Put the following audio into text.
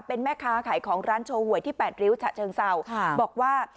เป็นแม่ค้าขายของร้านโชว์หวยที่แปดริ้วฉะเชิงเศร้าค่ะบอกว่า